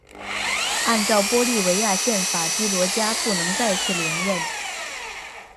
按照玻利维亚宪法基罗加不能再次连任。